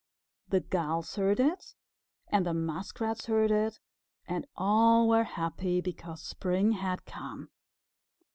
The Gulls heard it, and the Muskrats heard it, and all were happy because spring had come.